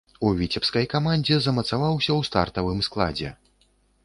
У віцебскай камандзе замацаваўся ў стартавым складзе.